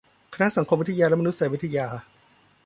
คณะสังคมวิทยาและมานุษยวิทยา